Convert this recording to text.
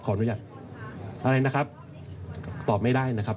ขออนุญาตอะไรนะครับตอบไม่ได้นะครับ